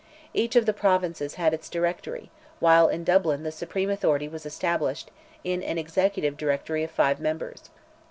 Each of the provinces had its Directory, while in Dublin the supreme authority was established, in an "Executive Directory" of five members.